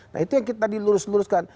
nah itu yang kita dilurus luruskan